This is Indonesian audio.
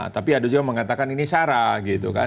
tapi ada juga mengatakan ini sara gitu kan